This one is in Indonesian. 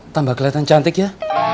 tambah keliatan cantik ya